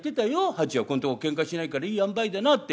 『八はここんとこ喧嘩しないからいいあんばいだな』って。